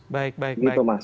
baik baik baik